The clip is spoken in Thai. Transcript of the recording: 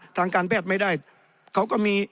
ทางการแพทย์ไม่ได้